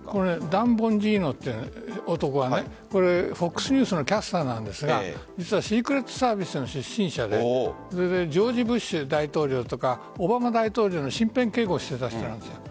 ダン・ボンジーノという男がＦＯＸニュースのキャスターなんですがシークレットサービスの出身者でジョージ・ブッシュ大統領とかオバマ大統領の身辺警護をしていた人なんです。